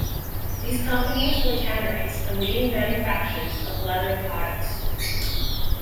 These companies were tanneries and leading manufactures of leather products.